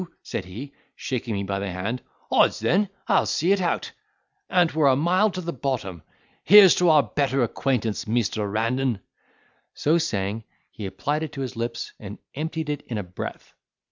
said he, shaking me by the hand; "odds then, I'll see it out, an't were a mile to the bottom: here's to our better acquaintance, measter Randan," So saying, he applied it to his lips, and emptied it in a breath.